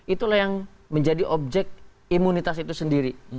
itulah yang menjadi objek imunitas itu sendiri